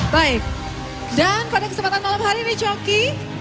baik dan pada kesempatan malam hari ini coki